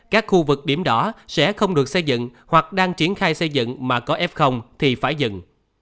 các khu vực điểm đó sẽ không được xây dựng hoặc đang triển khai xây dựng mà có f thì phải dừng